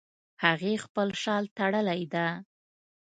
هغې خپل شال تړلی ده